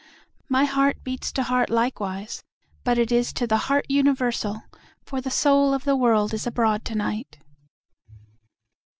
My heart beats to heart likewise, but it is to the heart universal, for the soul of the world is abroad to night.